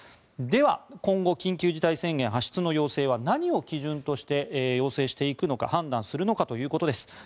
では、今後、緊急事態宣言の発出の要請は何を基準して要請していくのか判断するのかということです。